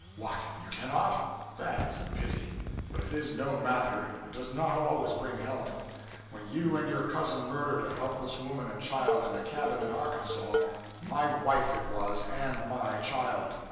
What, you cannot? That is a pity; but it is no matter it does not always bring help. When you and your cousin murdered a helpless woman and child in a cabin in Arkansas my wife, it was, and my child!